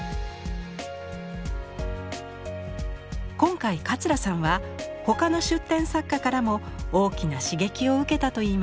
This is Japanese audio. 今回桂さんは他の出展作家からも大きな刺激を受けたといいます。